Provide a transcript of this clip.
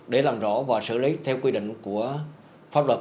để làm rõ và xử lý theo quy định của pháp luật